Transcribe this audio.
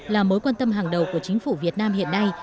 là mối quan tâm hàng đầu của chính phủ việt nam hiện nay